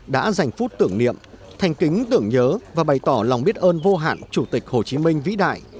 đã dành phút tưởng niệm thành kính tưởng nhớ và bày tỏ lòng biết ơn vô hạn chủ tịch hồ chí minh vĩ đại